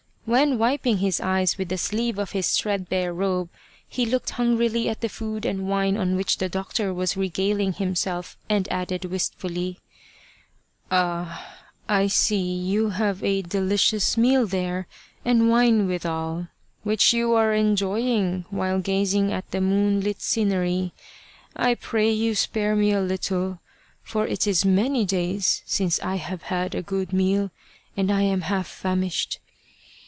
When wiping his eyes with the sleeve of his thread bare robe, he looked hungrily at the food and wine on which the doctor was regaling himself, and added, wistfully :" Ah, I see you have a delicious meal there and wine withal, which you are enjoying while gazing at the moonlit scenery. I pray you spare me a little, for it is many days since I have had a good meal and I am half famished."